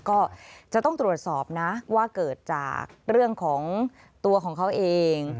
ก็จะต้องตรวจสอบนะว่าเกิดจากเรื่องของตัวของเขาเอง